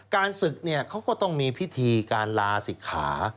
ศึกเนี่ยเขาก็ต้องมีพิธีการลาศิกขา